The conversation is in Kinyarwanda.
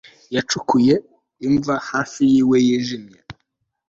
Yacukuye imva hafi yew yijimye